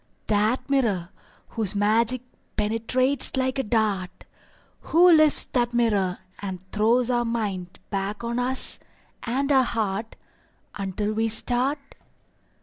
That mirror Whose magic penetrates like a dart, Who lifts that mirror And throws our mind back on us, and our heart, Until we start?